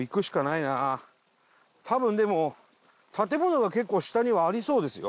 多分でも建物が結構下にはありそうですよ。